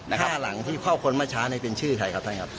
และถ้าหลังคนเคราะห์คนมาช้าไปเป็นใครครับท่าน